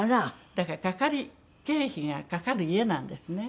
だからかかり経費がかかる家なんですね。